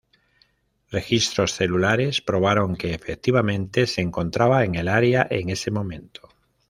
Registros celulares probaron que efectivamente se encontraba en el area en ese momento.